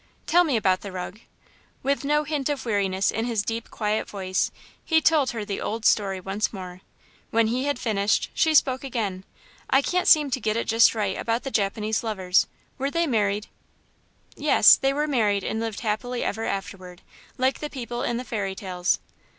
"Tell me about the rug." With no hint of weariness in his deep, quiet voice, he told her the old story once more. When he had finished, she spoke again. "I can't seem to get it just right about the Japanese lovers. Were they married?" "Yes, they were married and lived happily ever afterward like the people in the fairy tales."